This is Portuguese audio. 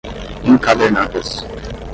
encadernadas